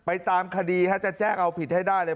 ตามคดีจะแจ้งเอาผิดให้ได้เลย